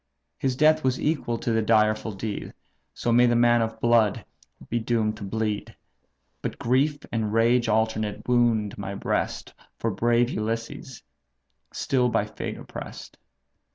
His death was equal to the direful deed; So may the man of blood be doomed to bleed! But grief and rage alternate wound my breast For brave Ulysses, still by fate oppress'd.